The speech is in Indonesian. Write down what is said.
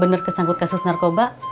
bener kesangkut kasus narkoba